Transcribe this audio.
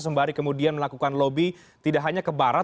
sembari kemudian melakukan lobby tidak hanya ke barat